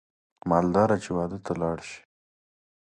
مالداره چې واده ته لاړ شي